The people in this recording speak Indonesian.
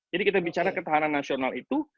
jadi kita bicara ketahanan nasional itu